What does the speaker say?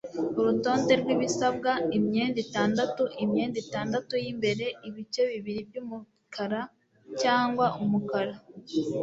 urutonde rwibisabwa imyenda itandatu, imyenda itandatu yimbere, ibice bibiri byumukara cyangwa umukara